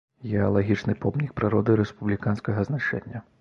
Геалагічны помнік прыроды рэспубліканскага значэння.